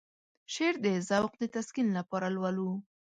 شعر د ذوق د تسکين لپاره لولو.